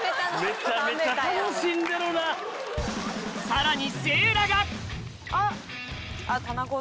さらにせいらがあ！